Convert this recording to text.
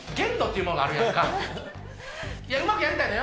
うまくやりたいのよ。